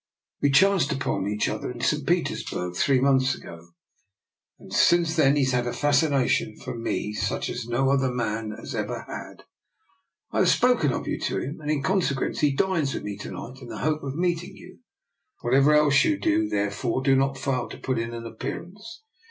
We chanced upon each other in St. Petersburg three months ago, and since then he's had a fascination for 36 I>R. NIKOLA'S EXPERIMENT. me such as no other man has ever had. I have spoken of you to him, and in conse quence he dines with me to night in the hope of meeting you. Whatever else you do, therefore, do not fail to put in an appearance.